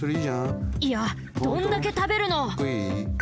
いやどんだけたべるの！